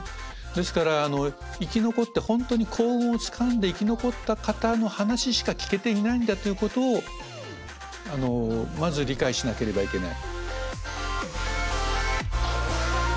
ですから生き残って本当に幸運をつかんで生き残った方の話しか聞けていないんだということをまず理解しなければいけない。